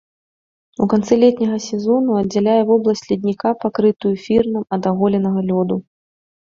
У канцы летняга сезону аддзяляе вобласць ледніка, пакрытую фірнам, ад аголенага лёду.